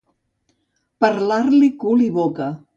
Parlar-li cul i boca.